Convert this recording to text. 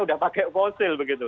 udah pakai fosil begitu